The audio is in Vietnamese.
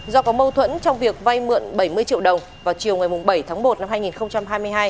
do có mâu thuẫn trong việc vay mượn bảy mươi triệu đồng vào chiều ngày bảy tháng một năm hai nghìn hai mươi hai